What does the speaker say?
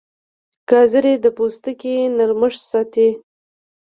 ګازرې د پوستکي نرمښت ساتي.